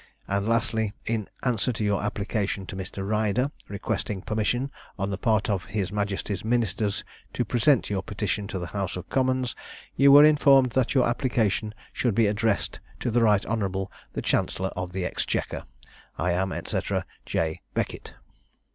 And, lastly, in answer to your application to Mr. Ryder, requesting permission on the part of his majesty's ministers to present your petition to the house of commons, you were informed that your application should be addressed to the right hon. the chancellor of the exchequer. 'I am, &c. 'J. BECKETT.'